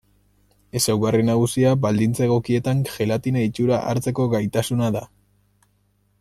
Ezaugarri nagusia baldintza egokietan gelatina itxura hartzeko gaitasuna da.